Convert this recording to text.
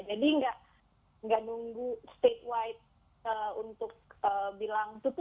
jadi nggak nunggu statewide untuk bilang tutup ya gitu